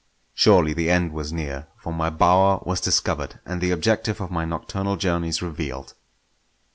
Surely the end was near; for my bower was discovered, and the objective of my nocturnal journeys revealed.